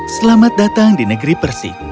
selamat datang di negeri persik